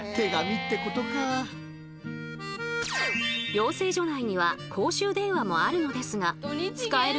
養成所内には公衆電話もあるのですが使えるのは土日だけ。